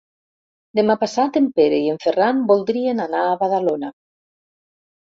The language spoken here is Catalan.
Demà passat en Pere i en Ferran voldrien anar a Badalona.